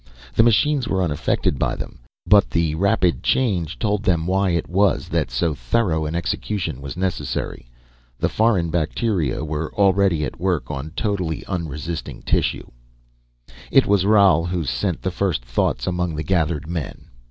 The machines were unaffected by them, but the rapid change told them why it was that so thorough an execution was necessary. The foreign bacteria were already at work on totally unresisting tissue. It was Roal who sent the first thoughts among the gathered men.